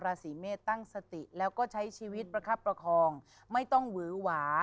ราศีเมษตั้งสติแล้วก็ใช้ชีวิตประคับประคองไม่ต้องหวือหวา